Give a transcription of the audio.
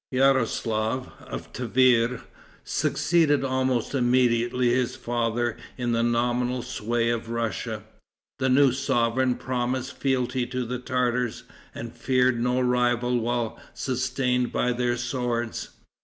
Yaroslaf, of Tiver, succeeded almost immediately his father in the nominal sway of Russia. The new sovereign promised fealty to the Tartars, and feared no rival while sustained by their swords.